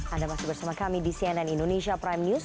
anda masih bersama kami di cnn indonesia prime news